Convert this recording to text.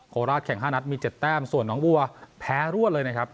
โคราชแข่ง๕นัดมี๗แต้มส่วนน้องวัวแพ้รวดเลยนะครับ